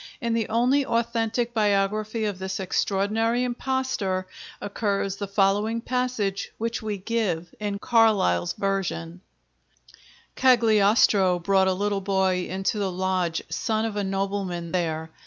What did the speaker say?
In the only authentic biography of this extraordinary impostor occurs the following passage, which we give in Carlyle's version: Cagliostro brought a little Boy into the Lodge, son of a nobleman there.